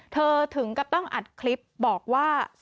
ถึงกับต้องอัดคลิปบอกว่า